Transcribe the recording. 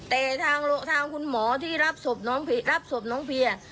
แต่ทางคุณหมอที่รับศพน้องเพีย